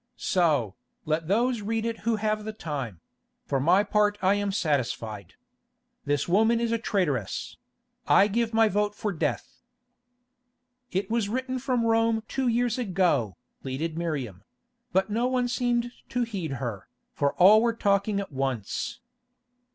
So, let those read it who have the time; for my part I am satisfied. This woman is a traitress; I give my vote for death." "It was written from Rome two years ago," pleaded Miriam; but no one seemed to heed her, for all were talking at once.